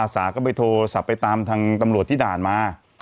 สาก็ไปโทรศัพท์ไปตามทางตำรวจที่ด่านมา